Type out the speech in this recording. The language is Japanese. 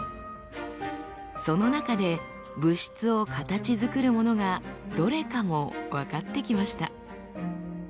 その中で物質を形づくるものがどれかも分かってきました。